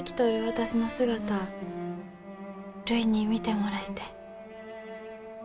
私の姿あるいに見てもらいてえ。